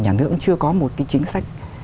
nhà nước cũng chưa có một cái chính sách